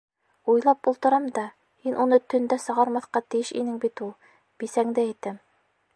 — Уйлап ултырам да, һин уны төндә сығармаҫҡа тейеш инең бит ул. Бисәңде әйтәм.